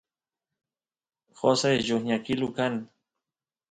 qosay lluqñakilu kan